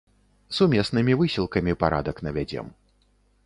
Сумеснымі высілкамі парадак навядзем.